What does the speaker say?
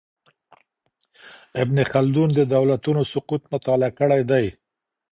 ابن خلدون د دولتونو سقوط مطالعه کړی دی.